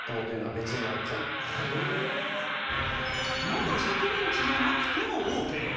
元植民地じゃなくてもオーケー。